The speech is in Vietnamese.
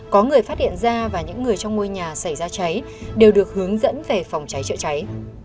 có người phát hiện ra và những người trong ngôi nhà xảy ra cháy đều được hướng dẫn về phòng cháy chữa cháy